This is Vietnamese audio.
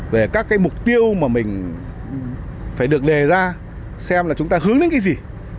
về các cái mục tiêu mà mình phải được đề ra xem là chúng ta hướng đến cái gì